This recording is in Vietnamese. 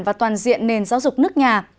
và toàn diện nền giáo dục nước nhà